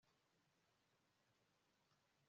aho kwibanda ku ntege nke zawe